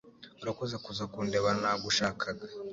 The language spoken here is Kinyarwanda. Urakoze kuza kundeba nagushakaga